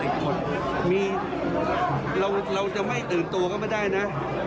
ที่ฐานที่ทองรเราจะไม่ตื่นตัวก็ไม่ได้นะ